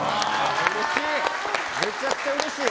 めちゃくちゃうれしい！